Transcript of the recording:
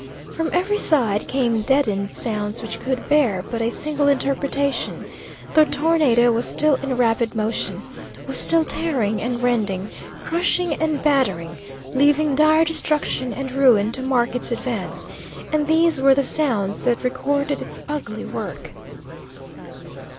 From every side came deadened sounds which could bear but a single interpretation: the tornado was still in rapid motion, was still tearing and rending, crushing and battering, leaving dire destruction and ruin to mark its advance, and these were the sounds that recorded its ugly work.